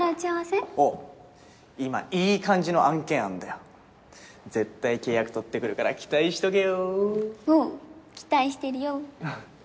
今いい感じの案件あんだよ絶対契約取ってくるから期待しとけよおう期待してるよ